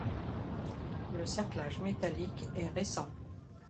Le cerclage métallique est récent.